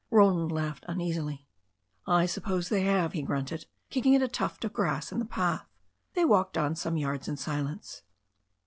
Roland laughed uneasily. "I suppose they have," he grunted, kicking at a tuft of grass in the path. They walked on some yards in silence.